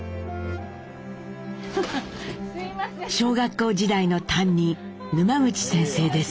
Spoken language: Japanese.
小学校時代の担任沼口先生です。